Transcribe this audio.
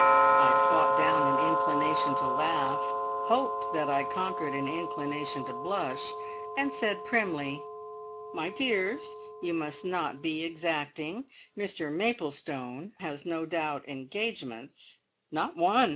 I fought down an inclination to laugh, hoped that I conquered an inclination to blush, and said primly: "My dears, you must not be exacting. Mr Milestone has no doubt engagements " "Not one!"